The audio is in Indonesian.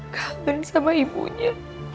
kangen sama ibunya